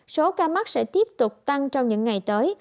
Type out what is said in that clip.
số ca mắc sẽ tiếp tục tăng trong những ngày tới